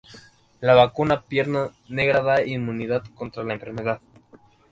La vacuna pierna negra da inmunidad contra la enfermedad.